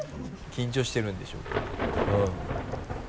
緊張してるんでしょううん。